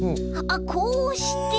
あっこうして？